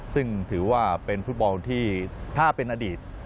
ซึ่งถือว่าเป็นฟุตบอลที่ถ้าเป็นอดีต